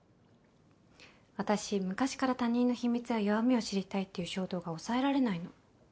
私昔から他人の秘密や弱みを知りたいっていう衝動が抑えられないの。